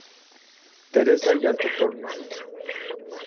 Teresa y Alto Tormes.